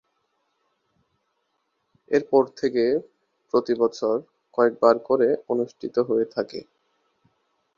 এরপর থেকে প্রতি বছর কয়েক বার করে অনুষ্ঠিত হয়ে থাকে।